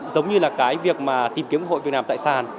giống như là cái việc mà tìm kiếm cơ hội việc làm tại sàn